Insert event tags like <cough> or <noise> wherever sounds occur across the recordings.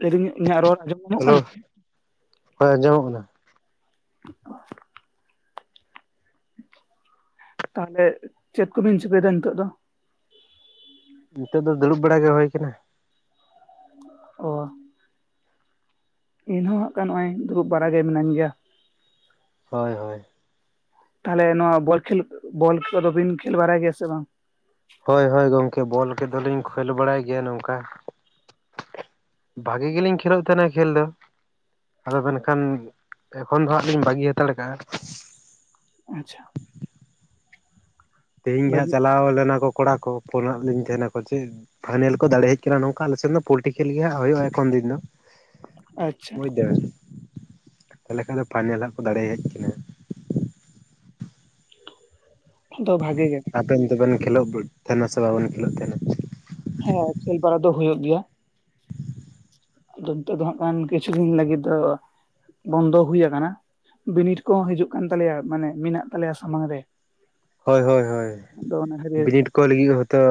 ᱞᱟᱹᱭᱫᱤᱧ <unintelligible> ᱤᱧᱟᱹᱜ ᱨᱚᱲ ᱟᱸᱡᱚᱢ ᱧᱟᱢᱚᱜ ᱦᱮᱞᱳ ᱠᱟᱱᱟ ᱦᱳᱭ ᱟᱸᱡᱚᱢᱚᱜ ᱠᱟᱱᱟ᱾ <inaudible> ᱛᱟᱦᱞᱮ ᱪᱮᱫ ᱠᱚᱵᱤᱱ ᱪᱤᱠᱟᱹᱭᱮᱫᱟ ᱱᱤᱛᱳᱜ ᱫᱚ? ᱱᱤᱛᱚᱜ ᱫᱚ ᱫᱩᱲᱩᱵ ᱵᱟᱲᱟ ᱜᱮ ᱦᱩᱭ ᱟᱠᱟᱱᱟ ᱾ ᱚᱼᱦᱚ ᱤᱧᱦᱚᱸ ᱦᱟᱸ ᱱᱚᱜᱼ ᱚᱭ ᱫᱩᱲᱩᱵ ᱵᱟᱲᱟᱟᱜ ᱜᱮ ᱢᱤᱱᱟᱧ ᱜᱮᱭᱟ ᱾ ᱦᱳᱭ ᱦᱳᱭ ᱛᱟᱦᱚᱞᱮ ᱱᱚᱣᱟ ᱵᱚᱞ ᱠᱷᱮᱞ ᱵᱚᱞ ᱠᱚᱫᱚ ᱵᱤᱱ ᱠᱷᱮᱞ ᱵᱟᱲᱟᱭ ᱜᱮᱭᱟ ᱥᱮ ᱵᱟᱝ ᱾ ᱦᱳᱭ ᱦᱳᱭ ᱜᱚᱝᱠᱮ ᱵᱚᱞ ᱠᱷᱮᱞ ᱫᱚᱞᱤᱧ ᱠᱷᱮᱞ ᱵᱟᱲᱟᱭ ᱜᱮᱭᱟ ᱱᱚᱝᱠᱟ ᱾ ᱵᱷᱟᱜᱤ ᱜᱮᱞᱤᱧ ᱠᱷᱮᱞᱳᱜ ᱛᱟᱦᱮᱱᱟ ᱠᱷᱮᱞ ᱫᱚ ᱾ ᱟᱫᱚ ᱢᱮᱱᱠᱷᱟᱱ ᱮᱠᱷᱚᱱ ᱫᱚ ᱦᱟᱸᱜ ᱞᱤᱧ ᱵᱟᱹᱜᱤ ᱦᱟᱸᱛᱟᱲ ᱟᱠᱟᱜᱼᱟ ᱾ ᱟᱪᱪᱷᱟ ᱛᱮᱦᱤᱧ ᱜᱮ ᱦᱟᱸᱜ ᱵᱷᱟᱹᱜᱤ ᱪᱟᱞᱟᱣ ᱞᱮᱱᱟ ᱠᱚ ᱠᱚᱲᱟ ᱠᱚ ᱯᱷᱳᱱ ᱱᱟᱜ ᱞᱤᱧ ᱛᱟᱦᱮᱱᱟᱠᱚ ᱪᱮᱫ? ᱯᱷᱟᱭᱱᱮᱞ ᱠᱚ ᱫᱟᱲᱮ ᱦᱮᱡ ᱟᱠᱟᱱᱟ, ᱱᱚᱝᱠᱟ ᱟᱞᱮ ᱥᱮᱱ ᱫᱚ ᱯᱚᱞᱴᱨᱤ ᱠᱷᱮᱞ ᱜᱮ ᱦᱟᱸᱜ ᱦᱩᱭᱩᱜᱼᱟ ᱮᱠᱷᱚᱱ ᱫᱤᱱ ᱫᱚ᱾ ᱟᱪᱪᱷᱟ ᱵᱩᱡ ᱫᱟᱲᱮᱭᱟᱢ, ᱛᱟᱦᱞᱮ ᱠᱷᱟᱱ ᱫᱚ ᱯᱷᱟᱭᱱᱮᱞᱟᱜ ᱠᱚ ᱫᱟᱲᱮ ᱦᱮᱡ ᱟᱠᱟᱱᱟᱹ ᱛᱚ ᱵᱷᱟᱜᱮ ᱜᱮ ᱟᱵᱮᱱ ᱫᱚᱵᱮᱱ ᱠᱷᱮᱞᱳᱜ ᱛᱟᱦᱮᱱᱟ ᱥᱮ ᱵᱟᱵᱮᱱ ᱠᱷᱮᱞᱳᱜ ᱛᱟᱦᱮᱱᱟ ᱾ ᱦᱮᱸ ᱠᱷᱮᱞ ᱵᱟᱲᱟ ᱫᱚ ᱦᱩᱭᱩᱜ ᱜᱮᱭᱟ᱾ ᱟᱫᱚ ᱱᱤᱛᱚᱜ ᱫᱚ ᱦᱟᱜ ᱵᱟᱝ ᱠᱤᱪᱷᱩ ᱫᱤᱱ ᱞᱟᱹᱜᱤᱫ ᱫᱚ ᱵᱚᱱᱫᱚ ᱦᱩ ᱟᱠᱟᱱᱟ ᱾ ᱵᱤᱱᱤᱰ ᱠᱚᱦᱚᱸ ᱦᱤᱡᱩᱜ ᱠᱟᱱ ᱛᱟᱞᱮᱭᱟ ᱢᱟᱱᱮ ᱢᱮᱱᱟᱜ ᱛᱟᱞᱮᱭᱟ ᱥᱟᱢᱟᱝ ᱨᱮ, ᱦᱳᱭ ᱦᱳᱭ ᱦᱳᱭ ᱟᱫᱚ ᱚᱱᱟ ᱠᱷᱟᱹᱛᱤᱨ ᱵᱤᱱᱤᱰ, ᱠᱚ ᱞᱟᱹᱜᱤᱫ ᱦᱚᱭᱛᱚ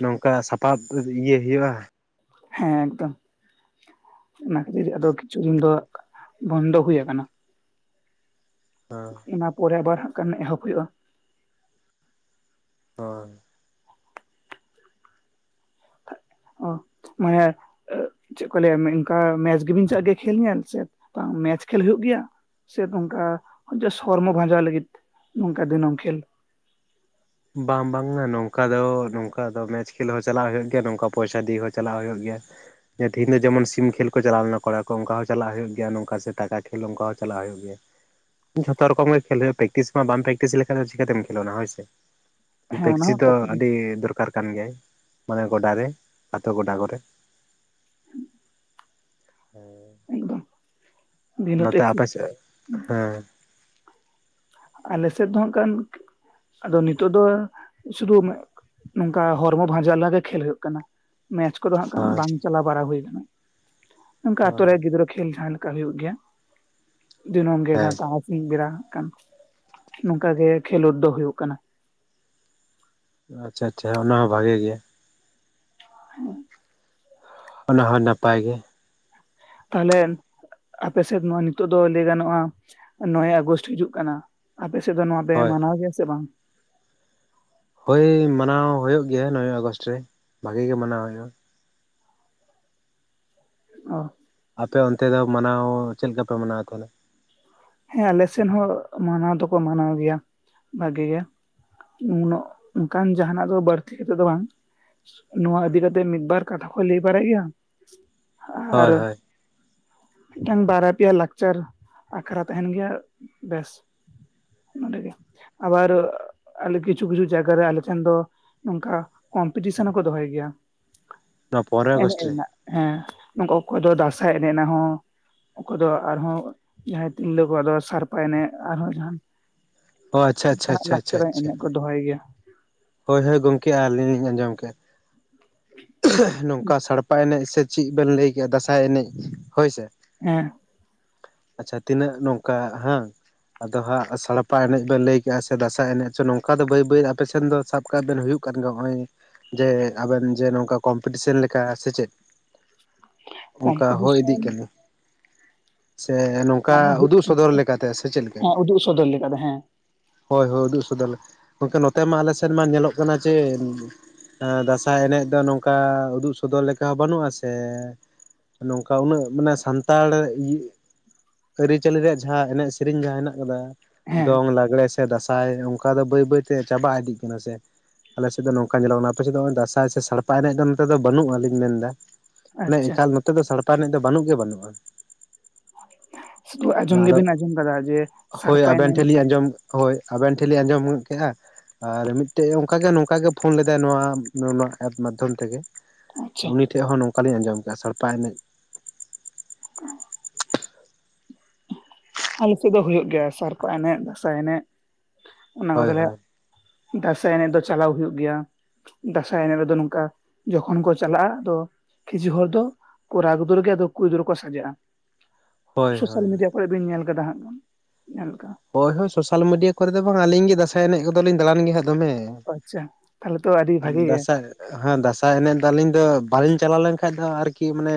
ᱱᱚᱝᱠᱟ ᱥᱟᱯᱟᱵ ᱤᱭᱟᱹ ᱦᱩᱭᱩᱜᱼᱟ ᱾ ᱦᱮᱸ ᱮᱠᱫᱚᱢ ᱚᱱᱟ ᱠᱷᱟᱹᱛᱤᱨ ᱟᱫᱚ ᱠᱤᱪᱷᱩ ᱫᱤᱱ ᱫᱚ ᱵᱚᱱᱫᱚ ᱦᱩᱭ ᱟᱠᱟᱱᱟ ᱾ ᱦᱟᱸᱻ ᱚᱱᱟ ᱯᱚᱨᱮ ᱟᱵᱟᱨ ᱦᱟᱜ ᱠᱷᱟᱱ ᱮᱦᱚᱵ ᱦᱩᱭᱩᱜᱼᱟ ᱾ ᱦᱚᱭ ᱚ ᱢᱮᱪ ᱪᱮᱫ ᱠᱚ ᱞᱟᱹᱭᱟ ᱢᱮᱱᱠᱟ ᱢᱮᱪ ᱜᱮᱵᱮᱱ ᱪᱟᱜ ᱜᱮᱭᱟ ᱠᱷᱮᱞ ᱧᱮᱞ ᱥᱮ ᱵᱟᱝ ᱢᱮᱪ ᱠᱷᱮᱞ ᱦᱩᱭᱩᱜ ᱜᱮᱭᱟ ᱥᱮ ᱱᱚᱝᱠᱟ ᱡᱮᱥ ᱥᱚᱨᱢᱚ ᱵᱷᱟᱡᱟᱣ ᱞᱟᱹᱜᱤᱫ ᱱᱚᱝᱠᱟ ᱫᱤᱱᱟᱹᱢ ᱠᱷᱮᱞ ᱵᱟᱝ ᱵᱟᱝᱱᱟ ᱱᱚᱝᱠᱟ ᱫᱚ ᱱᱚᱝᱠᱟ ᱫᱚ ᱢᱮᱪ ᱠᱷᱮᱞ ᱦᱚᱸ ᱪᱟᱞᱟᱜ ᱦᱩᱭᱩᱜ ᱜᱮᱭᱟ ᱱᱚᱝᱠᱟ ᱯᱚᱭᱥᱟ ᱫᱤᱭᱮ ᱦᱚᱸ ᱪᱟᱞᱟᱜ ᱦᱩᱭᱩᱜ ᱜᱮᱭᱟ ᱮ ᱛᱮᱦᱮᱧ ᱫᱚ ᱡᱮᱢᱚᱱ ᱥᱤᱢ ᱠᱷᱮᱞ ᱠᱚ ᱪᱟᱞᱟᱣ ᱞᱮᱱᱟ ᱠᱚᱲᱟ ᱠᱚ ᱚᱱᱠᱟ ᱦᱚᱸ ᱪᱟᱞᱟᱜ ᱦᱩᱭᱩᱜ ᱜᱮᱭᱟ ᱱᱚᱝᱠᱟ ᱥᱮ ᱴᱟᱠᱟ ᱠᱷᱮᱞ ᱚᱱᱠᱟ ᱦᱚᱸ ᱪᱟᱞᱟᱜ ᱦᱩᱭᱩᱜ ᱦᱩᱭᱩᱜ ᱜᱤᱭᱟ ᱡᱷᱚᱛᱚ ᱨᱚᱠᱚᱢ ᱜᱮ ᱠᱷᱮᱞ ᱦᱩᱭᱩᱜ ᱯᱮᱠᱴᱤᱥ ᱢᱟ ᱵᱟᱢ ᱯᱮᱠᱴᱤᱥ ᱞᱮᱠᱷᱟᱱ ᱪᱤᱠᱟᱛᱮᱢ ᱠᱷᱮᱞᱚᱱᱟ ᱦᱳᱭ ᱥᱮ ᱦᱮᱸ ᱚᱱᱟ ᱴᱮᱠᱥᱤ ᱦᱚᱸ ᱫᱚ ᱠᱟᱛᱷᱟ ᱜᱮ ᱟᱹᱰᱤ ᱫᱚᱨᱠᱟᱨ ᱠᱟᱱ ᱜᱮᱭᱟᱭ ᱢᱟᱱᱮ ᱜᱚᱰᱟ ᱨᱮ ᱟᱛᱳ ᱜᱚᱰᱟ ᱠᱚᱨᱮ ᱦᱮᱸ ᱮᱠᱫᱚᱢ ᱫᱤᱱᱟᱹᱢ ᱱᱚᱛᱮ ᱟᱯᱮ ᱥᱮᱫ ᱦᱮᱸ ᱟᱞᱮᱥᱮᱫ ᱫᱚ ᱚᱱᱠᱟᱱ ᱟᱫᱚ ᱱᱤᱛᱚᱜ ᱫᱚ ᱥᱩᱫᱩ ᱱᱚᱝᱠᱟ ᱦᱚᱲᱢᱚ ᱵᱷᱟᱡᱟ ᱞᱟᱜᱟᱜ ᱠᱷᱮᱞ ᱦᱩᱭᱩᱜ ᱠᱟᱱᱟ ᱢᱮᱪ ᱠᱚᱫᱚ ᱦᱟᱜ ᱠᱟᱱ ᱦᱳᱭ ᱵᱟᱝ ᱪᱟᱞᱟᱣ ᱵᱟᱲᱟ ᱦᱩᱭ ᱠᱟᱱᱟ ᱱᱚᱝᱠᱟ ᱟᱛᱩ ᱦᱳᱭ ᱨᱮ ᱜᱤᱫᱽᱨᱟᱹ ᱠᱚ ᱠᱷᱮᱞ ᱡᱟᱦᱟᱸ ᱞᱮᱠᱟ ᱦᱩᱭᱩᱜ ᱜᱮᱭᱟ ᱫᱤᱱᱟᱹᱢ ᱜᱮᱜᱟ‌ ᱦᱮᱸ ᱛᱟᱨᱟ ᱥᱤᱧ ᱵᱮᱲᱟ ᱟᱜᱠᱟᱱ ᱱᱚᱝᱠᱟ ᱜᱮ ᱠᱷᱮᱞᱳᱰ ᱫᱚ ᱦᱩᱭᱩᱜ ᱠᱟᱱᱟ ᱟᱪᱪᱷᱟ ᱟᱪᱪᱷᱟ ᱚᱱᱟ ᱦᱚᱸ ᱵᱷᱟᱜᱮ ᱜᱮᱭᱟ ᱦᱮᱸ ᱚᱱᱟ ᱦᱚᱸ ᱱᱟᱯᱟᱭ ᱜᱮ ᱛᱟᱦᱞᱮ ᱟᱯᱮᱥᱮᱫ ᱱᱚᱣᱟ ᱱᱤᱛᱚᱜ ᱫᱚ ᱞᱟᱹᱭ ᱜᱟᱱᱚᱜᱼᱟ ᱱᱚᱭᱮ ᱟᱜᱚᱥᱴ ᱦᱤᱡᱩᱜ ᱠᱟᱱᱟ ᱟᱯᱮ ᱥᱮᱫ ᱫᱚ ᱱᱚᱣᱟ ᱯᱮ ᱦᱳᱭ ᱢᱟᱱᱟᱣ ᱜᱮᱭᱟ ᱥᱮ ᱵᱟᱝ ᱦᱳᱭ ᱢᱟᱱᱟᱣ ᱦᱩᱭᱩᱜ ᱜᱮᱭᱟ ᱱᱚᱭᱮ ᱟᱜᱚᱥᱴ ᱨᱮ ᱵᱷᱟᱜᱮ ᱜᱮ ᱢᱟᱱᱟᱣ ᱦᱩᱭᱩᱜᱼᱟ ᱚ ᱟᱯᱮ ᱚᱱᱛᱮ ᱫᱚ ᱢᱟᱱᱟᱣ ᱪᱮᱫ ᱞᱮᱠᱟ ᱯᱮ ᱢᱟᱱᱟᱣ ᱛᱟᱦᱮᱫᱼᱟ ᱦᱮᱸ ᱟᱞᱮᱥᱮᱱ ᱦᱚᱸ ᱢᱟᱱᱟᱣ ᱫᱚᱠᱚ ᱢᱟᱱᱟᱣ ᱜᱮᱭᱟ ᱵᱷᱟᱜᱮ ᱜᱮ ᱩᱱᱟᱹᱜ ᱚᱱᱠᱟᱱ ᱡᱟᱦᱱᱟᱜ ᱫᱚ ᱵᱟᱹᱲᱛᱤ ᱛᱮᱫᱚ ᱵᱟᱝ ᱱᱚᱣᱟ ᱤᱫᱤ ᱠᱟᱛᱮᱜ ᱢᱤᱫ ᱵᱟᱨ ᱠᱟᱛᱷᱟ ᱠᱚ ᱞᱟᱹᱭ ᱵᱟᱲᱟᱭ ᱜᱮᱭᱟ ᱟᱨ ᱦᱳᱭ ᱦᱳᱭ ᱢᱤᱫ ᱴᱟᱝ ᱵᱟᱨᱭᱟ ᱯᱮᱭᱟ ᱞᱟᱠᱪᱟᱨ ᱟᱠᱷᱨᱟ ᱛᱟᱦᱮᱱ ᱜᱮᱭᱟ ᱵᱮᱥ ᱱᱚᱰᱮ ᱜᱮ ᱟᱵᱟᱨ ᱟᱞᱮ ᱠᱤᱪᱷᱩ ᱠᱤᱪᱷᱩ ᱡᱟᱭᱜᱟ ᱨᱮ ᱟᱞᱮ ᱴᱷᱮᱱ ᱫᱚ ᱱᱚᱝᱠᱟ ᱠᱚᱢᱯᱤᱴᱤᱥᱮᱱ ᱦᱚᱸᱠᱚ ᱫᱚᱦᱚᱭ ᱜᱮᱭᱟ ᱱᱚᱣᱟ ᱯᱚᱱᱨᱚᱭ ᱮᱱᱮᱡ ᱟᱜᱚᱥᱴ ᱨᱮ ᱨᱮᱱᱟᱜ ᱦᱮᱸ ᱱᱚᱝᱠᱟ ᱚᱠᱚᱭ ᱫᱚ ᱫᱟᱸᱥᱟᱭ ᱮᱱᱮᱡ ᱮᱱᱟ ᱦᱚᱸ ᱚᱠᱚᱭ ᱫᱚ ᱟᱨᱦᱚᱸ ᱡᱟᱦᱟᱸᱭ ᱛᱤᱨᱞᱟᱹ ᱠᱚᱣᱟᱜ ᱫᱚ ᱥᱟᱨᱯᱟ ᱮᱱᱮᱡ ᱟᱨᱦᱚᱸ ᱡᱟᱦᱟᱱ ᱚ ᱟᱪᱪᱷᱟ ᱟᱪᱪᱷᱟ ᱚᱱᱟᱜ ᱟᱪᱪᱷᱟ ᱟᱪᱪᱷᱟ ᱞᱟᱠᱪᱟᱨ ᱟᱪᱪᱷᱟ ᱮᱱᱮᱡ ᱠᱚ ᱫᱚᱦᱚᱭ ᱜᱮᱭᱟ ᱦᱳᱭ ᱦᱳᱭ ᱜᱚᱢᱠᱮ ᱟᱹᱞᱤᱧ ᱞᱤᱧ ᱟᱸᱡᱚᱢ ᱠᱮᱫᱼᱟ ᱱᱚᱝᱠᱟ ᱥᱟᱲᱯᱟ ᱮᱱᱮᱡ ᱥᱮ ᱪᱤᱜ ᱵᱮᱱ ᱞᱟᱹᱭ ᱠᱮᱫᱼᱟ ᱫᱟᱸᱥᱟᱭ ᱮᱱᱮᱡ ᱦᱳᱭ ᱥᱮ ᱦᱮᱸ ᱟᱪᱪᱷᱟ ᱛᱤᱱᱟᱹᱜ ᱱᱚᱝᱠᱟ ᱦᱟᱸ ᱟᱫᱚ ᱦᱟᱸᱜ ᱥᱟᱲᱯᱟ ᱮᱱᱮᱡ ᱵᱮᱱ ᱞᱟᱹᱭ ᱠᱮᱜᱼᱟ ᱥᱮ ᱫᱟᱸᱥᱟᱭ ᱮᱱᱮᱪ ᱱᱚᱝᱠᱟ ᱫᱚ ᱵᱟᱹᱭ ᱵᱟᱹᱭ ᱟᱯ ᱥᱮᱱ ᱫᱚ ᱥᱟᱵ ᱠᱟᱜ ᱵᱮᱱ ᱦᱩᱭᱩᱜ ᱠᱟᱱ ᱜᱮ ᱱᱚᱜᱼᱚᱭ ᱡᱮ ᱟᱵᱮᱱ ᱡᱮ ᱱᱚᱝᱠᱟ ᱠᱚᱢᱯᱤᱴᱤᱥᱮᱱ ᱞᱮᱠᱟ ᱥᱮ ᱪᱮᱫ ᱚᱱᱠᱟ ᱦᱳᱭ ᱠᱚᱢᱯᱤᱴᱤᱥᱚᱱ ᱤᱫᱤᱜ ᱠᱟᱱᱟ ᱥᱮ ᱱᱚᱝᱠᱟ ᱢᱟᱱᱮ ᱦᱩᱭᱩᱜ ᱩᱫᱩᱜ ᱥᱚᱫᱚᱨ ᱞᱮᱠᱟᱛᱮ ᱥᱮ ᱪᱮᱫ ᱞᱮᱠᱟ ᱦᱮᱸ ᱩᱫᱩᱜ ᱥᱚᱫᱚᱨ ᱞᱮᱠᱟ ᱫᱚ ᱦᱮᱸ ᱦᱳᱭ ᱦᱳᱭ ᱩᱫᱩᱜ ᱥᱚᱫᱚᱨ ᱞᱮᱠᱟ ᱜᱚᱢᱠᱮ ᱱᱚᱛᱮ ᱢᱟ ᱟᱞᱮ ᱥᱮᱫ ᱢᱟ ᱧᱮᱞᱚᱜ ᱠᱟᱱᱟ ᱡᱮ ᱫᱟᱸᱥᱟᱭ ᱮᱱᱮᱡ ᱫᱚ ᱱᱚᱝᱠᱟ ᱩᱫᱩᱜ ᱥᱚᱫᱚᱨ ᱞᱮᱠᱟ ᱵᱟᱹᱱᱩᱜᱼᱟ ᱥᱮ ᱱᱚᱝᱠᱟ ᱩᱱᱟᱹᱜ ᱢᱟᱱᱮ ᱥᱟᱱᱛᱟᱲ ᱤᱭ ᱟᱹᱨᱤᱪᱟᱞᱤ ᱨᱮᱭᱟᱜ ᱡᱟᱦᱟᱸ ᱮᱱᱮᱡ ᱥᱤᱨᱤᱧ ᱡᱟᱦᱟᱸ ᱦᱮᱱᱟᱜ ᱟᱠᱟᱫᱟ ᱦᱮᱸ ᱫᱚᱝ ᱞᱟᱜᱽᱲᱮ ᱥᱮ ᱫᱟᱸᱥᱟᱭ ᱚᱱᱠᱟ ᱫᱚ ᱵᱟᱹᱭ ᱵᱟᱹᱭ ᱛᱮ ᱪᱟᱵᱟ ᱤᱫᱤᱜ ᱦᱮᱸᱥᱮ ᱟᱞᱮ ᱥᱮᱫ ᱫᱚ ᱱᱚᱝᱠᱟ ᱧᱮᱞᱚᱜ ᱠᱟᱱᱟ ᱟᱯᱮ ᱥᱮᱫ ᱫᱚ ᱱᱚᱜᱚᱭ ᱫᱟᱸᱥᱟᱭ ᱥᱮ ᱥᱟᱲᱯᱟ ᱮᱱᱮᱡ ᱫᱚ ᱱᱚᱛᱮ ᱫᱚ ᱵᱟᱹᱱᱩᱜ-ᱟ ᱞᱤᱧ ᱢᱮᱱ ᱫᱟ ᱢᱟᱱᱮ ᱟᱪᱪᱷᱟ ᱮᱠᱟᱞ ᱱᱚᱛᱮ ᱫᱚ ᱥᱟᱲᱯᱟ ᱮᱱᱮᱡ ᱫᱚ ᱵᱟᱹᱱᱩᱜ ᱜᱮ ᱵᱟᱹᱱᱩᱜᱼᱟ ᱥᱩᱫᱷᱩ ᱟᱸᱡᱚᱢ ᱟᱫᱚ ᱜᱮᱵᱤᱱ ᱟᱸᱡᱚᱢ ᱠᱟᱫᱟ ᱡᱮ ᱦᱳᱭ ᱥᱟᱲᱯᱟ ᱟᱵᱮᱱ ᱮᱱᱮᱡ ᱴᱷᱮᱱ ᱞᱤᱧ ᱢᱤᱫᱴᱟᱝ ᱟᱸᱡᱚᱢ ᱦᱳᱭ ᱟᱵᱮᱱ ᱴᱷᱮᱱ ᱞᱤᱝ ᱟᱸᱡᱚᱢ ᱠᱮᱜᱼᱟ ᱟᱨ ᱢᱤᱫᱴᱮᱡ ᱚᱱᱠᱟᱜᱮ ᱱᱚᱝᱠᱟ ᱜᱮ ᱯᱷᱳᱱ ᱞᱮᱫᱟᱭ ᱱᱚᱣᱟ ᱞᱚᱞᱟ ᱮᱯ ᱢᱟᱫᱽᱫᱷᱚᱢ ᱛᱮᱜᱮ ᱟᱪᱪᱷᱟ ᱩᱱᱤ ᱴᱷᱮᱡ ᱦᱚᱸ ᱱᱚᱝᱠᱟᱞᱤᱧ ᱟᱸᱡᱚᱢ ᱠᱟ ᱥᱟᱲᱯᱟ ᱮᱱᱮᱡ <unintelligible> ᱟᱞᱮ ᱥᱮᱫ ᱫᱚ ᱦᱩᱭᱩᱜ ᱜᱮᱭᱟ ᱥᱟᱨᱯᱟ ᱮᱱᱮᱡ ᱫᱟᱸᱥᱟᱭ ᱮᱱᱮᱡ ᱚᱱᱟ ᱦᱳᱭ ᱠᱚᱫᱚᱞᱮ ᱦᱳᱭ ᱫᱟᱸᱥᱟᱭ ᱮᱱᱮᱡ ᱫᱚ ᱪᱟᱞᱟᱣ ᱦᱩᱭᱩᱜ ᱜᱮᱭᱟ ᱫᱟᱸᱥᱟᱭ ᱮᱱᱮᱡ ᱨᱮᱫᱚ ᱱᱚᱝᱠᱟ ᱡᱚᱠᱷᱚᱱ ᱠᱚ ᱪᱟᱞᱟᱜᱼᱟ ᱟᱫᱚ ᱠᱷᱪᱩ ᱦᱚᱲ ᱫᱚ ᱠᱚᱨᱟᱜᱩᱫᱨᱳ ᱜᱮ ᱟᱫᱚ ᱠᱤᱨᱤᱜᱤᱫ ᱠᱚ ᱥᱟᱡᱟᱜᱼᱟ ᱦᱳᱭ ᱥᱚᱥᱟᱞ ᱦᱳᱭ ᱢᱤᱰᱤᱭᱟ ᱠᱚᱨᱮ ᱵᱤᱱ ᱧᱮᱞ ᱟᱠᱟᱫᱟ ᱦᱟᱸᱜ ᱧᱮᱞ ᱠᱟᱜᱼᱟ ᱦᱳᱭ ᱦᱳᱭ ᱥᱚᱥᱟᱞ ᱢᱤᱰᱤᱭᱟ ᱠᱚᱨᱮ ᱫᱚ ᱵᱟᱝᱼᱟ ᱟᱹᱞᱤᱧ ᱜᱮ ᱫᱟᱸᱥᱟᱭ ᱮᱱᱮᱡ ᱠᱚᱫᱚᱞᱤᱧ ᱫᱟᱬᱟᱱ ᱜᱮ ᱦᱟᱸᱜ ᱫᱚᱢᱮ ᱟᱪᱪᱷᱟ ᱛᱟᱦᱚᱞᱮ ᱛᱚ ᱟᱹᱰᱤ ᱵᱷᱟᱜᱤ ᱜᱮ ᱫᱟᱸᱥᱟᱭ ᱦᱮᱸ ᱫᱟᱸᱟᱭ ᱮᱱᱮᱡ ᱫᱚ ᱟᱹᱞᱤᱧ ᱫᱚ ᱵᱟᱹᱞᱤᱧ ᱪᱟᱞᱟᱣ ᱞᱮᱱᱠᱷᱟᱡ ᱫᱚ ᱟᱨᱠᱤ ᱢᱟᱱᱮ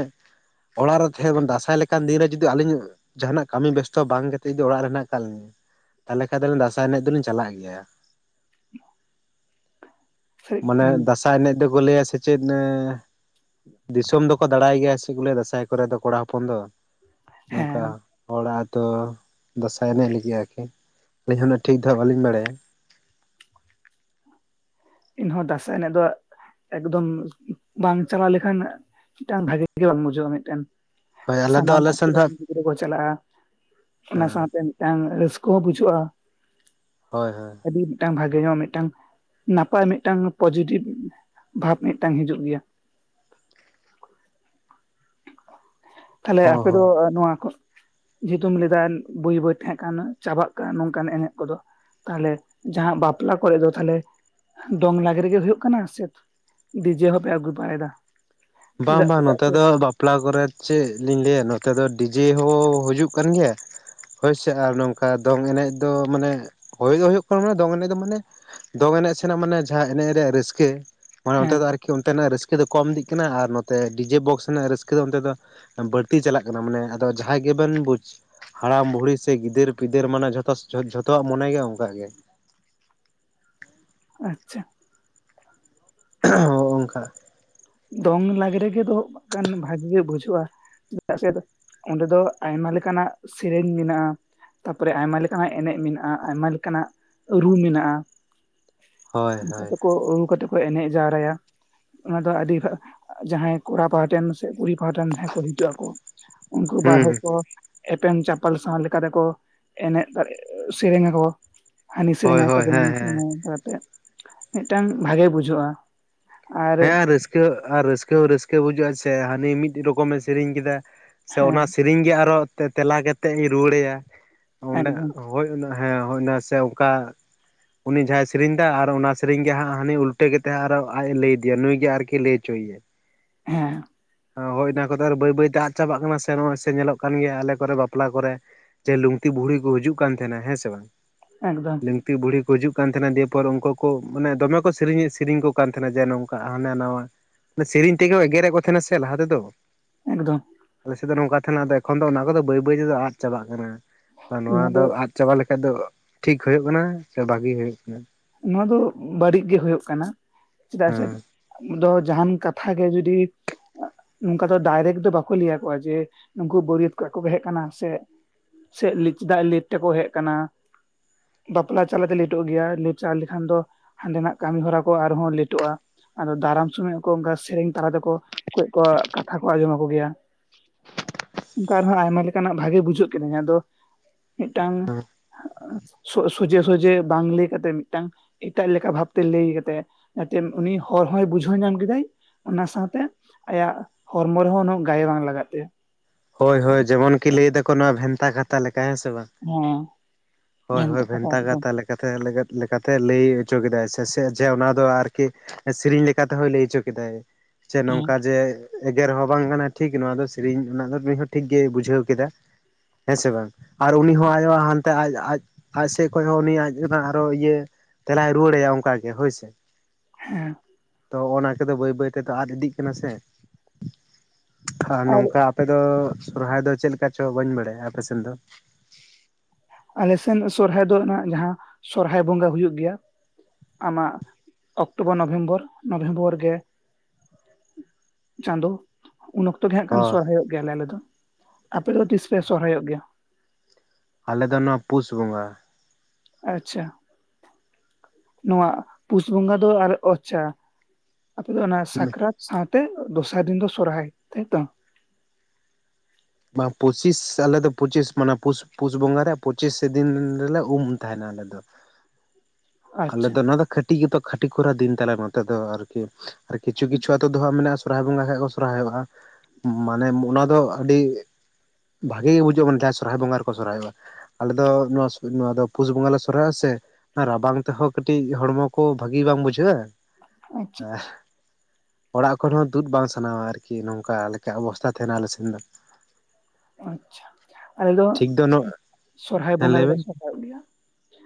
ᱚᱲᱟᱜ ᱨᱮ ᱛᱟᱦᱮᱸᱟᱱ ᱫᱟᱸᱥᱟᱭ ᱞᱮᱠᱟᱱ ᱫᱤᱱ ᱨᱮ ᱡᱩᱫᱤ ᱟᱹᱞᱤᱧᱟᱜ ᱡᱟᱦᱟᱱᱟᱜ ᱠᱟᱹᱢᱤ ᱵᱮᱥᱛᱚ ᱵᱟᱝ ᱠᱟᱛᱮᱫ ᱡᱩᱫᱤ ᱚᱲᱟᱜ ᱨᱮᱱᱟᱜ ᱠᱟᱞ ᱛᱟᱦᱚᱞᱮ ᱠᱷᱟᱱ ᱫᱚ ᱫᱟᱸᱥᱟᱭ ᱮᱱᱮᱡ ᱫᱚᱞᱤᱧ ᱪᱟᱞᱟᱜ ᱜᱮᱭᱟ <unintelligible> ᱢᱟᱱᱮ ᱫᱟᱸᱥᱟᱭ ᱮᱱᱮᱡ ᱫᱚᱠᱚ ᱞᱟᱹᱭᱟ ᱥᱮ ᱪᱮᱫ ᱮᱸᱻ ᱫᱤᱥᱚᱢ ᱫᱚᱠᱚ ᱫᱟᱬᱟᱭ ᱜᱮᱭᱟ ᱥᱮ ᱠᱩᱞᱟᱹᱭ-ᱟ ᱫᱟᱸᱥᱟᱭ ᱠᱚᱨᱮ ᱫᱚ ᱠᱚᱲᱟ ᱦᱚᱯᱚᱱ ᱫᱚ ᱱᱚᱝᱠᱟ ᱦᱮᱸ ᱦᱚᱲᱟᱛᱳ ᱫᱟᱸᱥᱟᱭ ᱮᱱᱮᱡ ᱞᱟᱹᱜᱤᱫ ᱟᱨᱠᱤ ᱟᱹᱞᱤᱧ ᱦᱚᱸᱱᱟᱜ ᱴᱷᱤᱠ ᱫᱚ ᱦᱟᱸᱜ ᱵᱟᱹᱞᱤᱧ ᱵᱟᱰᱟᱭᱟ ᱮᱤᱦᱚᱸ ᱫᱟᱸᱥᱟᱭ ᱮᱱᱮᱡ ᱫᱚ ᱮᱠᱫᱚᱢ ᱵᱟᱝ ᱪᱟᱞᱟᱣ ᱞᱮᱠᱷᱟᱱ ᱢᱤᱫᱴᱟᱝ ᱵᱷᱟᱜᱮ ᱜᱮ ᱵᱟᱝ ᱵᱩᱡᱷᱟᱹᱜᱼᱟ ᱢᱤᱫᱴᱮᱱ ᱦᱳᱭ ᱟᱞᱮ ᱫᱚ ᱥᱟᱱᱟᱢ ᱟᱞᱮ ᱟᱛᱩ ᱥᱮᱱ ᱫᱚ ᱨᱮᱱ ᱜᱮ ᱛᱤ ᱨᱮ ᱠᱚ ᱪᱟᱞᱟᱜᱼᱟ ᱚᱱᱟ ᱦᱟᱸᱜ ᱥᱟᱶᱛᱮ ᱢᱤᱫᱴᱟᱝ ᱨᱟᱹᱥᱠᱟᱹ ᱦᱚᱸ ᱵᱩᱡᱷᱟᱹᱜᱼᱟ ᱦᱳᱭ ᱦᱳᱭ ᱟᱹᱰᱤ ᱢᱤᱫᱴᱟᱝ ᱵᱷᱟᱜᱮ ᱧᱚᱜ ᱢᱤᱫᱴᱟᱝ ᱱᱟᱯᱟᱭ ᱢᱤᱫᱴᱟᱝ ᱯᱚᱡᱮᱴᱤᱵᱽ ᱵᱷᱟᱵᱽ ᱢᱤᱫᱴᱟᱝ ᱦᱤᱡᱩᱜ ᱜᱮᱭᱟ ᱛᱟᱦᱞᱮ ᱦᱚᱸ ᱟᱯᱮ ᱫᱚ ᱦᱚᱸ ᱱᱚᱣᱟ ᱠᱚ ᱡᱮᱦᱮᱛᱩᱢ ᱞᱮᱫᱟ ᱵᱟᱹᱭ ᱵᱟᱹᱭ ᱛᱟᱦᱮᱸ ᱠᱟᱜ ᱩᱱᱟᱹᱜ ᱪᱟᱵᱟᱜ ᱠᱟᱱ ᱱᱚᱝᱠᱟᱱ ᱮᱱᱮᱡ ᱠᱚᱫᱚ ᱛᱟᱦᱞᱮ ᱡᱟᱦᱟᱸ ᱵᱟᱯᱞᱟ ᱠᱚᱨᱮ ᱫᱚ ᱛᱟᱦᱞᱮ ᱫᱚᱝ ᱞᱟᱜᱽᱲᱮᱜᱮ ᱦᱩᱭᱩᱜ ᱠᱟᱱᱟ ᱥᱮ ᱰᱤᱡᱮ ᱦᱚᱸᱯᱮ ᱟᱹᱜᱩ ᱵᱟᱭᱫᱟ ᱵᱟᱝ ᱵᱟᱝ ᱱᱚᱛᱮ ᱫᱚ ᱵᱟᱯ ᱵᱟᱯᱞᱟ ᱠᱚᱨᱮ ᱪᱮᱫ ᱞᱤᱧ ᱞᱟᱹᱭᱟ ᱱᱚᱛᱮ ᱫᱚ ᱰᱤᱡᱮ ᱦᱚᱸ ᱦᱩᱭᱩᱜ ᱠᱟᱱ ᱜᱮᱭᱟ ᱦᱳᱭᱥᱮ ᱟᱨ ᱱᱚᱝᱠᱟ ᱫᱚᱝ ᱮᱱᱮᱡ ᱫᱚ ᱢᱟᱱᱮ ᱦᱭ ᱫᱚ ᱦᱳᱭᱳᱜ ᱠᱟᱱᱟ ᱢᱟᱱᱮ ᱫᱚᱝ ᱮᱱᱮᱡ ᱫᱚ ᱢᱟᱱᱮ ᱫᱚᱝ ᱮᱱᱮᱡ ᱥᱮᱱᱟᱜ ᱢᱟᱱᱮ ᱡᱟᱦᱟᱸ ᱮᱱᱮᱡ ᱨᱮᱭᱟᱜ ᱨᱟᱹᱥᱠᱟᱹ ᱢᱟᱱᱮ ᱚᱱᱛᱮ ᱦᱮᱸ ᱫᱚ ᱟᱨᱠᱤ ᱚᱱᱛᱮᱱᱟᱜ ᱨᱟᱹᱥᱠᱟᱹ ᱫᱚ ᱠᱚᱢ ᱫᱤᱜ ᱠᱟᱱᱟ ᱟᱨ ᱱᱚᱛᱮ ᱰᱤᱡᱮ ᱵᱚᱠᱥ ᱨᱮᱱᱟᱜ ᱨᱟᱹᱥᱠᱟᱹ ᱫᱚ ᱚᱱᱛᱮ ᱫᱚ ᱵᱟᱹᱲᱛᱤ ᱪᱟᱞᱟᱜ ᱠᱟᱱᱟ ᱢᱟᱱᱮ ᱟᱫᱚ ᱡᱟᱦᱟᱸᱭ ᱜᱮᱵᱮᱱ ᱵᱩᱡᱽ ᱦᱟᱲᱟᱢ ᱵᱩᱲᱦᱤ ᱥᱮ ᱜᱤᱫᱟᱹᱨ ᱯᱤᱫᱟᱹᱨ ᱢᱟᱱᱮ ᱡᱚᱛᱚ ᱡᱷᱚᱛᱚᱣᱟᱜ ᱢᱚᱱᱮ ᱜᱮ ᱚᱱᱠ ᱜᱮ ᱟᱪᱷᱟ ᱚᱸᱦᱚᱸᱜ ᱫᱚᱝ ᱞᱟᱜᱽᱲᱮ ᱜᱮ ᱫᱚᱦᱚᱜ ᱠᱟᱱ ᱵᱷᱟᱜᱮ ᱜᱮ ᱵᱩᱡᱷᱟᱹᱜᱼᱟ ᱪᱮᱫᱟᱜ ᱥᱮ ᱚᱸᱰᱮ ᱫᱚ ᱟᱭᱢᱟ ᱞᱮᱠᱟᱱᱟᱜ ᱥᱮᱨᱮᱧ ᱢᱮᱱᱟᱜᱼᱟ ᱛᱟᱯᱚᱨᱮ ᱟᱭᱢᱟ ᱞᱮᱠᱟᱱᱟᱜ ᱮᱱᱮᱡ ᱢᱮᱱᱟᱜᱼᱟ ᱟᱭᱢᱟ ᱞᱮᱠᱟᱱᱟᱜ ᱨᱩ ᱢᱮᱱᱟᱜᱼᱟ ᱦᱳᱭ <inaudible> ᱦᱳᱭ ᱠᱟᱛᱮᱠᱚ ᱟᱹᱜᱩ ᱠᱟᱛᱮ ᱠᱚ ᱮᱱᱮᱡᱽ ᱡᱟᱣᱨᱟᱭᱟ ᱟᱰᱤᱯᱦᱟ ᱦᱟᱸᱜ ᱡᱟᱦᱟᱸᱭ ᱠᱚᱲᱟ ᱯᱟᱦᱴᱮᱱ ᱥᱮ ᱠᱩᱲᱤ ᱯᱟᱦᱴᱟᱱ ᱡᱟᱦᱟ ᱠᱚ ᱦᱤᱡᱩᱜ ᱟᱠᱚ, ᱩᱱᱠᱩ ᱵᱟᱨ ᱦᱩᱸ ᱦᱚᱲᱠᱚ ᱮᱯᱮᱢ ᱪᱟᱯᱟᱞ ᱥᱟᱶ ᱞᱮᱠᱟ ᱛᱮᱠᱚ ᱮᱱᱮᱜᱽ ᱮ ᱥᱮᱨᱮᱝ ᱟᱠᱚ ᱦᱟᱹᱱᱤ ᱦᱳᱭ ᱥᱮᱨᱮᱧᱟᱭ <inaudible> ᱦᱳᱭ ᱦᱮᱸ ᱦᱮᱸ ᱠᱟᱛᱮ ᱢᱤᱫᱴᱟᱝ ᱵᱷᱟᱜᱤ ᱵᱩᱡᱷᱟᱹᱜᱼᱟ᱾ ᱟᱨ ᱦᱮᱸ ᱨᱟᱹᱥᱠᱟᱹ ᱟᱨ ᱨᱟᱹᱥᱠᱟᱹ ᱦᱚᱸ ᱨᱟᱹᱥᱠᱟᱹ ᱵᱩᱡᱩᱜᱟᱹᱜ ᱟ᱾ ᱥᱮ ᱦᱟᱹᱱᱤ ᱢᱤᱫ ᱨᱚᱠᱚᱢ ᱮ ᱥᱮᱨᱮᱧ ᱠᱮᱫᱟ ᱥᱮ ᱚᱱᱟ ᱦᱮᱸ ᱥᱮᱨᱮᱧ ᱜᱮ ᱟᱨᱚ ᱛᱮᱞᱟ ᱠᱟᱛᱮᱜᱽ ᱤᱧ ᱨᱩᱣᱟᱹᱲ ᱟᱭᱟ ᱚᱸᱰᱮ ᱮᱠᱫᱚᱢ ᱦᱳᱭ ᱚᱱᱟ ᱦᱮᱸ ᱦᱳᱭ ᱚᱱᱟ ᱥᱮ ᱚᱱᱠᱟ ᱩᱱᱤ ᱡᱟᱦᱟᱸᱟᱭ ᱥᱮᱨᱮᱧ ᱫᱟ, ᱟᱨ ᱚᱱᱟ ᱥᱮᱨᱮᱧ ᱜᱮ ᱦᱟᱸᱜ ᱦᱟᱱᱤ ᱩᱞᱴᱟᱹ ᱠᱟᱛᱮᱜ ᱟᱨ ᱚ ᱟᱡᱽ ᱮ ᱞᱟᱹᱭᱫᱟ ᱤᱭᱟᱹ ᱱᱩᱭ ᱜᱮ ᱟᱨᱠᱤ ᱞᱟᱹᱭ ᱦᱚᱪᱚᱭ ᱭᱟᱭ ᱦᱮᱸ ᱚ, ᱦᱳᱭ ᱚᱱᱟ ᱠᱚᱫᱚ ᱟᱨ ᱵᱟᱹᱭ ᱵᱟᱹᱭᱛᱮ ᱟᱫ ᱪᱟᱵᱟᱜ ᱠᱟᱱᱟ, ᱥᱮ ᱱᱚᱜᱼᱚᱭ ᱥᱮ ᱧᱮᱞᱚᱜ ᱠᱟᱱ ᱜᱮᱭᱟ ᱟᱞᱮ ᱠᱚᱨᱮ ᱵᱟᱯᱞᱟ ᱠᱚᱨᱮ, ᱪᱮ ᱞᱩᱝᱛᱤ ᱵᱩᱲᱦᱤ ᱠᱚ ᱦᱤᱡᱩᱜ ᱠᱟᱱ ᱛᱟᱦᱮᱱᱟ ᱦᱮᱸ ᱥᱮ ᱵᱟᱝ? ᱮᱠᱫᱚᱢ᱾ ᱛᱤ ᱵᱩᱲᱦᱤ ᱠᱚ ᱦᱤᱡᱩᱜ ᱠᱟᱱ ᱛᱟᱦᱮᱱᱟ, ᱫᱤᱭᱮᱯᱚᱨ ᱩᱝᱠᱩ ᱠᱚ ᱢᱟᱱᱮ ᱫᱚᱢᱮ ᱠᱚ ᱥᱮᱨᱮᱧ ᱥᱮᱨᱮᱧ ᱠᱚ ᱠᱟᱱ ᱛᱟᱦᱮᱱᱟ, ᱡᱮ ᱱᱚᱝᱠᱟ ᱦᱟᱱᱟ ᱱᱟᱣᱟ᱾ ᱥᱮᱨᱮᱧ ᱛᱮᱜᱮ ᱠᱚ ᱮᱜᱮᱨᱮᱫ ᱠᱚ ᱛᱟᱦᱮᱱᱟ ᱥᱮ ᱞᱟᱦᱟ ᱛᱮᱫᱚ᱾ ᱮᱠᱫᱚᱢ ᱟᱞᱮ ᱥᱮᱫ ᱫᱚ ᱱᱚᱝᱠᱟ ᱛᱟᱦᱮᱱᱟ, ᱟᱫᱚ ᱮᱠᱷᱚᱱ ᱫᱚ ᱚᱱᱟ ᱠᱚᱫᱚ ᱵᱟᱹᱭ ᱵᱟᱹᱭ ᱛᱮᱫᱚ ᱟᱫ ᱪᱟᱵᱟᱜ ᱠᱟᱱᱟ᱾ ᱱᱚᱣᱟ ᱫᱚ ᱟᱫ ᱪᱟᱵᱟ ᱞᱮᱠᱟᱡ ᱫᱚ, ᱴᱷᱤᱠ ᱦᱩᱭᱩᱜ ᱠᱟᱱᱟ ᱥᱮ ᱵᱷᱟᱜᱤ ᱦᱩᱭᱩᱜ ᱠᱟᱱᱟ? ᱱᱚᱣᱟ ᱫᱚ ᱵᱟᱹᱲᱤᱡ ᱜᱮ ᱦᱩᱭᱩᱜ ᱠᱟᱱᱟ᱾ ᱪᱮᱫᱟᱜ ᱦᱮᱸ ᱥᱮ ᱫᱚ ᱡᱟᱦᱟᱱ ᱠᱟᱛᱷᱟ ᱜᱮ ᱡᱩᱚᱫᱤ ᱱᱚᱝᱠᱟ ᱫᱚ ᱰᱟᱭᱨᱮᱠ ᱫᱚ ᱵᱟᱠᱚ ᱞᱟᱹᱭ ᱟᱠᱚᱣᱟ ᱡᱮ ᱱᱩᱠᱩ ᱵᱟᱹᱨᱭᱟᱹᱛ ᱠᱚᱲᱟ ᱠᱚ ᱦᱮᱜᱽ ᱟᱠᱟᱱᱟ ᱥᱮ ᱥᱮ ᱞᱮᱡ ᱪᱮᱫᱟᱜ ᱞᱮᱴ ᱛᱮᱠᱚ ᱦᱮᱜᱽ ᱟᱠᱟᱱᱟ? ᱵᱟᱯᱞᱟ ᱪᱟᱞᱟᱛᱮ ᱞᱮᱴᱚᱜ ᱜᱮᱭᱟ ᱞᱮᱴ ᱪᱟ ᱞᱮᱠᱷᱟᱱ ᱫᱚ, ᱦᱟᱸᱰᱮᱱᱟᱜ ᱠᱟᱹᱢᱤ ᱦᱚᱨᱟ ᱠᱚ ᱟᱨᱦᱚᱸ ᱞᱮᱴᱚᱜᱼᱟ᱾ ᱟᱫᱚ ᱫᱟᱨᱟᱢ ᱥᱩᱚᱢᱚᱭ ᱦᱚᱸᱠᱚ ᱚᱝᱠᱟ ᱥᱮᱨᱮᱧ ᱛᱟᱞᱟ ᱛᱮᱠᱚ ᱠᱚᱡᱽ ᱠᱚ ᱠᱟᱛᱷᱟ ᱠᱚ ᱟᱸᱡᱚᱢ ᱟᱠᱚ ᱜᱮᱭᱟ, ᱚᱝᱠᱟ ᱟᱨᱦᱚᱸ ᱟᱭᱢᱟ ᱞᱮᱠᱟᱱᱟᱜ ᱵᱷᱟᱜᱤ ᱵᱩᱡᱷᱟᱹᱜ ᱠᱟᱱᱟ ᱟᱫᱚ ᱢᱤᱫᱴᱟᱝ ᱦᱮᱸ ᱥᱚ ᱥᱚᱡᱷᱮ ᱥᱚᱡᱷᱮ ᱵᱟᱝ ᱞᱟᱹᱭ ᱠᱟᱛᱮᱱ ᱢᱤᱫᱴᱟᱝ ᱮᱴᱟᱜ ᱞᱮᱠᱟ ᱵᱷᱟᱵᱛᱮ ᱞᱟᱹᱭ ᱠᱟᱛᱮᱜ, ᱡᱟᱛᱮᱱ ᱩᱱᱤ ᱦᱚᱲ ᱦᱚᱸᱭ ᱵᱩᱡᱷᱟᱹᱣ ᱧᱟᱢ ᱠᱮᱫᱟᱭ ᱚᱱᱟ ᱥᱟᱶᱛᱮ ᱟᱭᱟᱜ ᱦᱚᱨᱢᱚ ᱨᱮᱦᱚᱸ ᱩᱱᱟᱹᱜ ᱜᱟᱭ ᱵᱟᱝ ᱞᱟᱜᱟᱜ ᱛᱟᱭᱟ᱾ ᱦᱳᱭ ᱦᱳᱭ ᱡᱮᱢᱚᱱ ᱠᱤ ᱞᱟᱹᱭᱫᱟ ᱠᱚ, ᱱᱚᱣᱟ ᱵᱷᱮᱱᱛᱟ ᱠᱟᱛᱟ ᱞᱮᱠᱟ ᱦᱮᱸ ᱥᱮ ᱵᱟᱝ? ᱦᱮᱸ ᱦᱳᱭ ᱦᱳᱭ ᱵᱷᱮᱱᱛᱟ ᱠᱟᱛᱷᱟ ᱞᱮᱠ ᱞᱮᱠᱟᱛᱮ ᱞᱮ ᱞᱮᱠᱟᱛᱮ ᱞᱟᱹᱭ ᱦᱚᱪᱚ ᱠᱮᱫᱟᱭ ᱥᱮ ᱡᱮ ᱚᱱᱟ ᱫᱚ ᱟᱨᱠᱤ ᱥᱤᱨᱤᱧ ᱞᱮᱠᱟᱛᱮ ᱦᱚᱸᱭ ᱞᱟᱹᱭ ᱦᱚᱪᱚ ᱠᱮᱫᱟᱭ᱾ ᱪᱮ ᱦᱮᱸ ᱱᱚᱝᱠᱟ ᱡᱮ ᱮᱜᱮᱨ ᱦᱚᱸ ᱵᱟᱝ ᱠᱟᱱᱟ ᱴᱷᱤᱠ ᱱᱚᱣᱟ ᱫᱚ ᱥᱤᱨᱤᱧ ᱨᱮᱱᱟᱜ ᱫᱚ ᱩᱱᱤ ᱦᱚᱸ ᱴᱷᱤᱠ ᱜᱮᱭ ᱵᱩᱡᱷᱟᱹᱣ ᱠᱮᱫᱟ, ᱦᱮᱸ ᱥᱮ ᱵᱟᱝ? ᱟᱨ ᱩᱱᱤ ᱦᱚᱸ ᱟᱭᱳ ᱦᱟᱱᱛᱮ ᱟᱡᱽ ᱟᱡᱽ ᱟᱡᱽ ᱥᱮᱡᱽ ᱠᱷᱚᱡ ᱦᱚᱸ ᱩᱱᱤ ᱟᱡᱽ ᱚᱱᱟ ᱟᱨᱚ ᱤᱭᱟᱹ ᱛᱮᱞᱟᱭ ᱨᱩᱣᱟᱹᱲᱟᱭᱟ ᱚᱝᱠᱟᱜᱮ ᱦᱳᱭ ᱥᱮ ᱦᱮᱸ ᱛᱚ ᱚᱱᱟ ᱠᱚᱫᱚ ᱵᱟᱹᱭ ᱵᱟᱹᱭ ᱛᱮᱫᱚ ᱟᱫ ᱤᱫᱤᱜ ᱠᱟᱱᱟ, ᱥᱮ ᱟᱨ ᱱᱚᱝᱠᱟ ᱟᱯᱮ ᱫᱚ ᱥᱚᱨᱦᱟᱭ ᱫᱚ ᱪᱮᱫ ᱞᱮᱠᱟ ᱪᱚ ᱵᱟᱹᱧ ᱵᱟᱲᱟᱭᱟ ᱟᱯᱮ ᱥᱮᱱ ᱫᱚ? ᱟᱞᱮ ᱥᱮᱱ ᱥᱚᱨᱦᱟᱭ ᱫᱚ ᱚᱱᱟ ᱡᱟᱦᱟᱸ ᱥᱚᱨᱦᱟᱭ ᱵᱚᱸᱜᱟ ᱦᱩᱭᱩᱜ ᱜᱮᱭᱟ᱾ ᱟᱢᱟᱜ ᱚᱠᱴᱳᱵᱚᱨ, ᱱᱚᱵᱷᱮᱢᱵᱚᱨ, ᱱᱚᱵᱷᱮᱢᱵᱚᱨ ᱜᱮ᱾ ᱪᱟᱸᱫᱚ ᱩᱱ ᱚᱠᱛᱚ ᱜᱮ ᱦᱟᱸᱜ ᱠᱟᱱ ᱦᱳᱭ ᱥᱚᱦᱨᱟᱭᱚᱜ ᱜᱮᱭᱟ ᱞᱮ ᱟᱞᱮ ᱫᱚ᱾ ᱟᱯᱮ ᱫᱚ ᱛᱤᱥᱯᱮ ᱥᱚᱦᱨᱟᱭᱚᱜ ᱜᱮᱭᱟ? ᱟᱞᱮ ᱫᱚ ᱱᱚᱣᱟ ᱯᱩᱥ ᱵᱚᱸᱜᱟ᱾ ᱟᱪᱪᱷᱟ ᱱᱚᱣᱟ ᱯᱩᱥ ᱵᱚᱸᱜᱟ ᱫᱚ ᱟᱨ ᱚᱪᱪᱷᱟ᱾ ᱟᱯᱮ ᱫᱚ ᱚᱱᱟ ᱥᱟᱠᱨᱟᱛ, ᱥᱟᱶᱛᱮ ᱫᱚᱥᱟᱨ ᱫᱤᱱ ᱫᱚ ᱥᱚᱨᱦᱟᱭ, ᱛᱟᱭᱛᱚ᱾ ᱵᱟᱝ ᱯᱩᱪᱤᱥ ᱟᱞᱮ ᱫᱚ ᱯᱚᱸᱪᱤᱥ ᱢᱟᱱᱮ ᱯᱩᱥ ᱯᱩᱥ ᱵᱚᱸᱜᱟᱨᱮ ᱯᱚᱸᱪᱤᱥᱮ ᱫᱤᱱ ᱨᱮᱞᱮ ᱩᱢ ᱛᱟᱦᱮᱱᱟ ᱟᱞᱮ ᱫᱚ᱾ ᱟᱞᱮ ᱟᱪᱪᱷᱟ ᱫᱚ ᱱᱚᱣᱟ ᱫᱚ ᱠᱷᱟᱹᱴᱤ ᱜᱮᱛᱚ ᱠᱷᱟᱹᱴᱤ ᱠᱷᱚᱨᱟ ᱫᱤᱱ ᱛᱟᱞᱮ ᱱᱚᱛᱮ ᱫᱚ, ᱟᱨᱠᱤ ᱟᱨ ᱠᱤᱪᱷᱩ ᱠᱤᱪᱷᱩ ᱟᱛᱳ ᱫᱚ ᱦᱟᱸᱜ ᱢᱮᱱᱟᱜᱼᱟ ᱥᱚᱨᱦᱟᱭ ᱵᱚᱸᱜᱟ ᱥᱮᱜ ᱠᱚ ᱥᱚᱨᱦᱟᱭᱚᱜᱼᱟ ᱢᱟᱱᱮ ᱢᱚᱱᱟ ᱫᱚ ᱟᱹᱰᱤ ᱵᱷᱟᱜᱮ ᱜᱮ ᱵᱩᱡᱷᱟᱜ-ᱟ ᱢᱟᱱᱮ ᱡᱟᱦᱟᱸ ᱥᱚᱨᱦᱟᱭ ᱵᱚᱸᱜᱟ ᱨᱮᱠᱚ ᱥᱚᱨᱦᱟᱭᱚᱜ-ᱟ᱾ ᱟᱞᱮ ᱫᱚ ᱱᱚᱣᱟ ᱱᱚᱣᱟ ᱫᱚ ᱯᱩᱥ ᱵᱚᱸᱜᱟ ᱞᱮ ᱥᱚᱨᱦᱟᱭᱚᱜᱟ ᱥᱮ ᱨᱟᱵᱟᱝ ᱛᱮᱦᱚᱸ ᱠᱟᱹᱴᱤᱡ ᱦᱚᱲᱢᱚ ᱠᱚ ᱵᱷᱟᱹᱜᱤ ᱵᱟᱝ ᱵᱩᱡᱷᱟᱹᱜ-ᱟ ᱟᱪᱪᱷᱟ ᱟᱨ ᱚᱲᱟᱜ ᱠᱷᱚᱱ ᱦᱚᱸ ᱛᱩᱫ ᱵᱟᱝ ᱥᱟᱱᱟᱣᱟ ᱟᱨᱠᱤ ᱱᱚᱝᱠᱟ ᱞᱮᱠᱟ ᱚᱵᱚᱥᱛᱟ ᱛᱟᱦᱮᱱᱟ ᱟᱞᱮ ᱥᱮᱱ ᱫᱚ᱾ ᱟᱪᱷᱟ ᱟᱞᱮ ᱫᱚ ᱴᱷᱤᱠ ᱱᱚᱜ ᱥᱚᱨᱦᱟᱭ ᱦᱮᱸ ᱵᱚᱸᱜᱟ ᱞᱟᱹᱭ ᱜᱮᱞᱮ ᱵᱮᱱ ᱥᱚᱨᱦᱟᱭᱚᱜ ᱜᱮᱭᱟ᱾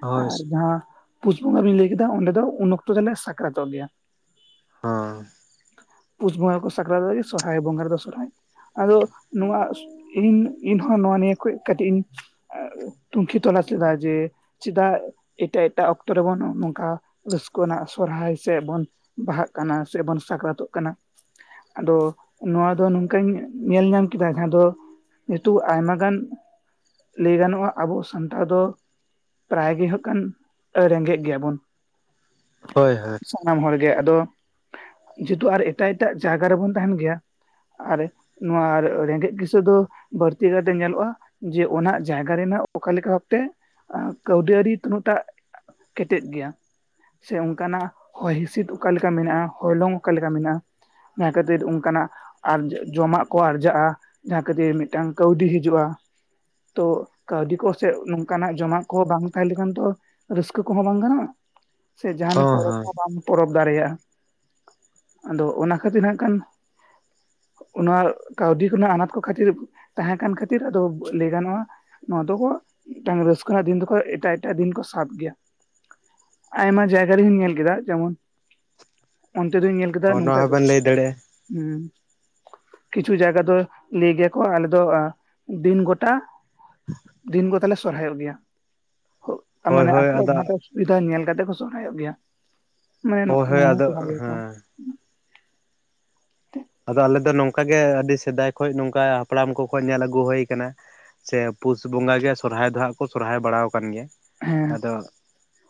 ᱦᱳᱭ ᱟᱨ ᱡᱟᱦᱟᱸ ᱯᱩᱥ ᱵᱚᱸᱜᱟ ᱵᱤᱱ ᱞᱟᱹᱭ ᱠᱮᱫᱟ ᱚᱸᱰᱮ ᱫᱚ ᱩᱱ ᱚᱠᱛᱚ ᱫᱚᱞᱮ ᱥᱟᱠᱨᱟᱛᱚᱜ ᱜᱮᱭᱟ᱾ ᱦᱚᱸ᱾ ᱯᱩᱥ ᱵᱚᱸᱜᱟ ᱠᱳ ᱥᱟᱠᱨᱟᱛ ᱜᱮ ᱥᱚᱨᱦᱟᱭ ᱵᱚᱸᱜᱟ ᱨᱮᱫᱚ ᱥᱚᱨᱦᱟᱭ ᱟᱫᱚ ᱱᱚᱣᱟ ᱤᱧ ᱤᱧᱦᱚᱸ ᱱᱚᱣᱟ ᱱᱤᱭᱟᱹ ᱠᱷᱚᱡ ᱠᱟᱹᱴᱤᱡ ᱤᱧ ᱛᱩᱝᱠᱤ ᱛᱚᱞᱟᱥᱮᱫᱟ ᱡᱮ ᱪᱤᱫᱟᱜ ᱮᱴᱟᱜ ᱮᱴᱟᱜ ᱚᱠᱛᱚ ᱨᱮᱵᱚᱱ ᱱᱚᱝᱠᱟ ᱨᱟᱹᱥᱠᱟᱹ ᱨᱮᱱᱟᱜ ᱥᱚᱨᱦᱟᱭ ᱥᱮ ᱵᱚᱱ ᱵᱟᱦᱟᱜ ᱠᱟᱱᱟ ᱥᱮᱵᱚᱱ ᱥᱟᱠᱨᱟᱛᱚᱜ ᱠᱟᱱᱟ ᱟᱫᱚ ᱱᱚᱣᱟ ᱫᱚ ᱱᱚᱝᱠᱟᱹᱧ ᱧᱮᱞ ᱧᱟᱢ ᱠᱮᱫᱟ ᱡᱟᱦᱟ ᱫᱚ ᱱᱤᱛᱚᱜ ᱟᱭᱢᱟ ᱜᱟᱱ ᱞᱟᱹᱭ ᱜᱟᱱᱚᱜᱼᱟ ᱟᱵᱚ ᱥᱟᱱᱛᱟᱲ ᱫᱚ ᱯᱨᱟᱭ ᱜᱮ ᱦᱟᱸᱜ ᱠᱷᱟᱱ ᱨᱮᱸᱜᱮᱡ ᱜᱮᱭᱟ ᱵᱚᱱ᱾ ᱦᱳᱭ ᱦᱳᱭ᱾ ᱥᱟᱱᱟᱢ ᱦᱚᱲᱜᱮ ᱟᱫᱚ, ᱡᱮᱦᱮᱛᱩ ᱟᱨ ᱮᱴᱟᱜ ᱮᱴᱟᱜ ᱡᱟᱭᱜᱟ ᱨᱮᱵᱚᱱ ᱛᱟᱦᱮᱱ ᱜᱮᱭᱟ᱾ ᱟᱨᱮ ᱱᱚᱣᱟ ᱨᱮᱸᱜᱮᱡ ᱠᱤᱥᱟᱹᱲ ᱫᱚ ᱵᱟᱹᱲᱛᱤ ᱠᱟᱭᱛᱮ ᱧᱮᱞᱚᱜᱼᱟ ᱡᱮ ᱚᱱᱟ ᱡᱟᱭᱜᱟ ᱨᱮᱱᱟᱜ ᱚᱠᱟᱞᱮᱠᱟ ᱵᱷᱟᱵᱛᱮ ᱮᱸᱻᱠᱟᱹᱣᱰᱤ ᱟᱹᱣᱨᱤ ᱛᱤᱱᱟᱹᱜ ᱴᱟᱜ ᱠᱮᱴᱮᱡ ᱜᱮᱭᱟ? ᱥᱮ ᱚᱱᱠᱟᱱᱟᱜ ᱦᱚᱭ ᱦᱤᱸᱥᱤᱫ ᱚᱠᱟᱞᱮᱠᱟ ᱢᱮᱱᱟᱜᱼᱟ ᱦᱚᱭᱞᱚᱝ ᱚᱠᱟᱞᱮᱠᱟ ᱢᱮᱱᱟᱜᱼᱟ? ᱡᱟᱸᱷᱟᱹ ᱠᱷᱟᱛᱤᱨ ᱚᱱᱠᱟᱱᱟᱜ ᱟᱨ ᱡᱚᱢᱟᱜ ᱠᱚ ᱟᱨᱡᱟᱜ-ᱟ᱾ ᱠᱟᱛᱮ ᱢᱤᱫᱴᱟᱝ ᱠᱟᱹᱣᱰᱤ ᱦᱤᱡᱩᱜᱼᱟ ᱾ ᱛᱚ ᱠᱟᱹᱣᱰᱤ ᱠᱚᱥᱮᱜ ᱱᱚᱝᱠᱟᱱᱟᱜ ᱡᱚᱢᱟᱜ ᱠᱚ ᱵᱟᱝ ᱛᱟᱦᱮᱸᱞᱮᱠᱷᱟᱱ ᱛᱚ ᱨᱟᱹᱥᱠᱟᱹ ᱠᱚᱦᱚᱸ ᱵᱟᱝ ᱜᱟᱱᱚᱜ-ᱟ ᱥᱮ ᱡᱟᱦᱟᱱ ᱯᱚᱨᱚᱵᱽ ᱦᱚᱸ ᱵᱟᱢ ᱯᱚᱨᱚᱵᱽ ᱫᱟᱲᱮᱭᱟᱜᱼᱟ᱾ ᱟᱫᱚ ᱚᱱᱟ ᱠᱷᱟᱹᱛᱤᱨ ᱦᱟᱸᱜ ᱠᱷᱟᱱ ᱚᱱᱟ ᱠᱟᱹᱣᱰᱤ ᱠᱚ ᱱᱟᱦᱟᱜ ᱟᱱᱟᱴ ᱠᱚ ᱠᱷᱟᱹᱛᱤᱨ ᱛᱟᱦᱮᱸ ᱠᱟᱱ ᱠᱷᱟᱹᱛᱤᱨ ᱟᱫᱚ ᱞᱟᱹᱭ ᱜᱟᱱᱚᱜᱼᱟ᱾ ᱱᱚᱣᱟ ᱫᱚᱠᱚ ᱢᱤᱫᱴᱟᱝ ᱨᱟᱹᱥᱠᱟᱹ ᱨᱮᱱᱟᱜ ᱫᱤᱱ ᱫᱚᱠᱚ ᱮᱴᱟᱜ ᱮᱴᱟᱜ ᱫᱤᱱ ᱠᱚ ᱥᱟᱵ ᱜᱮᱭᱟ᱾ ᱟᱭᱢᱟ ᱡᱟᱭᱜᱟ ᱨᱮᱦᱩᱧ ᱧᱮᱞ ᱠᱮᱫᱟ ᱡᱮᱢᱚᱱ ᱚᱱᱛᱮᱨᱮ ᱧᱮᱞ <unintelligible> ᱚ ᱱᱚᱣᱟ ᱱᱚᱝᱠᱟ ᱜᱮ ᱦᱚᱸᱵᱮᱱ ᱞᱟᱹᱭ ᱫᱟᱲᱮᱭᱟᱜᱼᱟ ᱦᱩᱸ ᱠᱤᱪᱷᱩ ᱡᱟᱭᱜᱟ ᱫᱚ ᱞᱟᱹᱭ ᱜᱮᱭᱟᱠᱚ ᱟᱞᱮ ᱫᱚ ᱫᱤᱱ ᱜᱚᱴᱟ ᱫᱤᱱ ᱜᱚᱛᱟᱞᱮ ᱥᱚᱨᱦᱟᱭᱚᱜ ᱜᱮᱭᱟ᱾ <unintelligible> ᱦᱳᱭ ᱢᱟᱱᱮ ᱦᱳᱭ ᱟᱠᱚᱣᱟᱜ ᱟᱫᱚ ᱡᱟᱦᱟᱸᱴᱟᱜ ᱥᱩᱵᱤᱫᱷᱟ ᱧᱮᱞ ᱠᱟᱛᱮ ᱠᱚ ᱥᱚᱨᱦᱟᱭᱚᱜ ᱜᱮᱭᱟ᱾ ᱢᱟᱱᱮ ᱱᱚᱜ ᱦᱳᱭ ᱦᱳᱭ ᱱᱚᱣᱟ ᱦᱚᱸ ᱟᱫᱚ ᱠᱚ <unintelligible> ᱠᱚᱣᱟ᱾ ᱦᱮᱸ ᱟᱫᱚ ᱟᱞᱮ ᱫᱚ ᱱᱚᱝᱠᱟ ᱜᱮ ᱟᱹᱰᱤ ᱥᱮᱫᱟᱭ ᱠᱷᱚᱡ ᱱᱚᱝᱠᱟ ᱦᱟᱯᱲᱟᱢ ᱠᱚ ᱠᱚ ᱧᱮᱞ ᱟᱹᱜᱩ ᱦᱳᱭ ᱟᱠᱟᱱᱟ᱾ ᱪᱮ ᱯᱩᱥ ᱵᱚᱸᱜᱟ ᱜᱮ ᱥᱚᱨᱦᱟᱭ ᱫᱚ ᱦᱟᱸᱜ ᱠᱚ ᱥᱚᱨᱦᱟᱭ ᱵᱟᱲᱟᱣ ᱠᱟᱱ ᱜᱮᱭᱟ, ᱦᱮᱸ ᱟᱫᱚ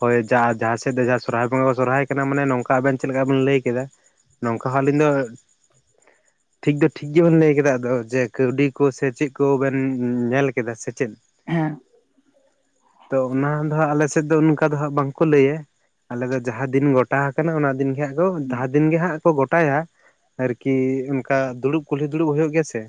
ᱦᱳᱭ ᱡᱟᱦᱟ ᱥᱮᱫ ᱫᱚ ᱥᱚᱨᱦᱟᱭ ᱵᱚᱸᱜᱟ ᱠᱚ ᱥᱚᱨᱦᱟᱭ ᱠᱟᱱᱟ᱾ ᱢᱟᱱᱮ ᱱᱚᱝᱠᱟ ᱟᱵᱮᱱ ᱪᱮᱫ ᱞᱮᱠᱟ ᱵᱮᱱ ᱞᱟᱹᱭ ᱠᱮᱫᱟ᱾ ᱱᱚᱝᱠᱟ ᱦᱚᱸ ᱟᱹᱞᱤᱧ ᱫᱚ ᱴᱷᱤᱠ ᱫᱚ ᱴᱷᱤᱠ ᱜᱮᱵᱚᱱ ᱞᱟᱹᱭ ᱠᱮᱫᱟ ᱟᱫᱚ ᱡᱮ ᱠᱟᱹᱣᱰᱤ ᱠᱚ ᱥᱮ ᱪᱮᱫ ᱠᱚᱵᱮᱱ ᱧᱮᱞ ᱠᱮᱫᱟ ᱥᱮ ᱪᱮᱫ? ᱦᱮᱸ᱾ ᱛᱚ ᱚᱱᱟ ᱫᱚ ᱦᱟᱸᱜ ᱟᱞᱮ ᱥᱮᱫ ᱫᱚ ᱚᱱᱠᱟ ᱫᱚ ᱦᱟᱸᱜ ᱵᱟᱝᱠᱚ ᱞᱮᱭᱟ᱾ ᱟᱞᱮ ᱫᱚ ᱡᱟᱦᱟ ᱫᱤᱱ ᱜᱚᱴᱟ ᱟᱠᱟᱱᱟ ᱾ᱚᱱᱟ ᱫᱤᱱ ᱜᱮ ᱦᱟᱸᱜ ᱠᱚ ᱡᱟᱦᱟ ᱫᱤᱱ ᱜᱮ ᱦᱟᱸᱜ ᱠᱚ ᱜᱚᱴᱟᱭᱟ᱾ ᱟᱨᱠᱤ ᱚᱱᱠᱟ ᱫᱩᱲᱩᱵ ᱠᱩᱞᱦᱤ ᱫᱩᱲᱩᱵ ᱦᱳᱭᱳᱜ ᱜᱮᱭᱟ ᱥᱮ